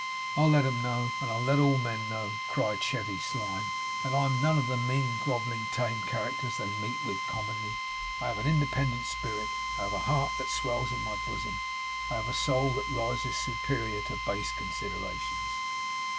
'I'll let 'em know, and I'll let all men know,' cried Chevy Slyme, 'that I'm none of the mean, grovelling, tame characters they meet with commonly. I have an independent spirit. I have a heart that swells in my bosom. I have a soul that rises superior to base considerations.